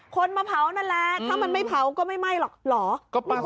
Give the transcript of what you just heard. คนมาเผานั่นแหละถ้ามันไม่เผาก็ไม่ไหม้หรอกเหรอ